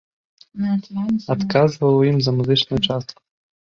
Адказваў у ім за музычную частку.